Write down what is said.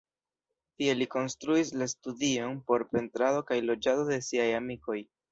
Tie li konstruis la studion por pentrado kaj loĝado de siaj amikoj.